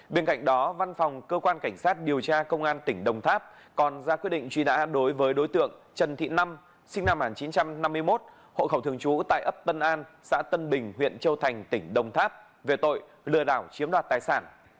bên cạnh đó văn phòng cơ quan cảnh sát điều tra công an tỉnh đồng tháp còn ra quyết định truy nã đối với đối tượng trần thị năm sinh năm một nghìn chín trăm năm mươi một hộ khẩu thường trú tại ấp tân an xã tân bình huyện châu thành tỉnh đồng tháp về tội lừa đảo chiếm đoạt tài sản